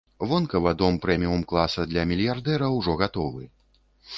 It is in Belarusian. Вонкава дом прэміум-класа для мільярдэра ўжо гатовы.